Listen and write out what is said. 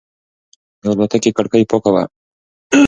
د الوتکې کړکۍ پاکه وه.